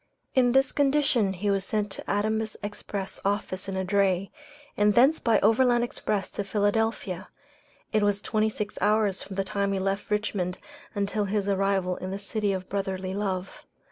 In this condition he was sent to Adams' Express office in a dray, and thence by overland express to Philadelphia. It was twenty six hours from the time he left Richmond until his arrival in the City of Brotherly Love.